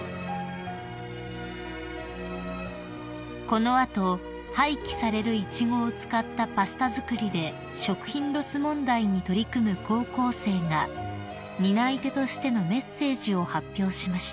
［この後廃棄されるイチゴを使ったパスタ作りで食品ロス問題に取り組む高校生が担い手としてのメッセージを発表しました］